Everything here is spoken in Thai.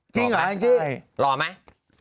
จริงหรอยังจิหรอไหม